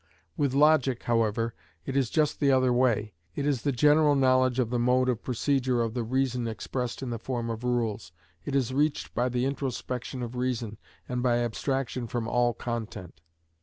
With logic, however, it is just the other way. It is the general knowledge of the mode of procedure of the reason expressed in the form of rules. It is reached by the introspection of reason, and by abstraction from all content.